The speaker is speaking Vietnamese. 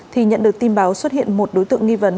thì nhận được tin báo xuất hiện một đối tượng nghi vấn